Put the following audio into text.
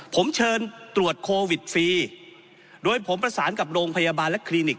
ผมเชิญตรวจโควิดฟรีโดยผมประสานกับโรงพยาบาลและคลินิก